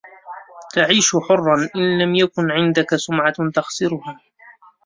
تعيش حرا إن لم يكن عندك سمعة تخسرها.